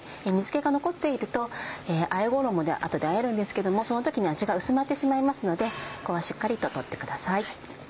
水気が残っているとあえ衣で後であえるんですけどもその時に味が薄まってしまいますのでここはしっかりと取ってください。